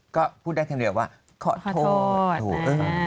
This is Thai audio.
ก็พูดได้แค่เรียกว่าขอโทษ